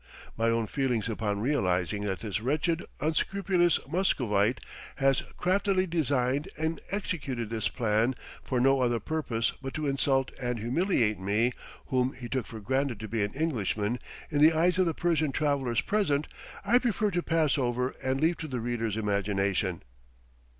My own feelings upon realizing that this wretched, unscrupulous Muscovite has craftily designed and executed this plan for no other purpose but to insult and humiliate one whom he took for granted to be an Englishman, in the eyes of the Persian travellers present, I prefer to pass over and leave to the reader's imagination.